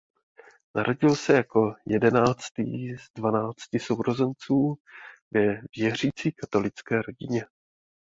Narodil se jako jedenáctý z dvanácti sourozenců ve věřící katolické rodině.